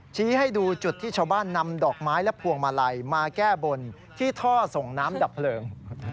ชี้ให้ดูจุดที่ชาวบ้านนำดอกไม้และพวงมาลัยมาแก้บนที่ท่อส่งน้ำดับเพลิง